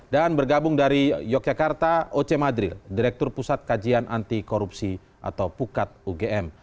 dan bergabung dari yogyakarta oce madril direktur pusat kajian antikorupsi atau pukat ugm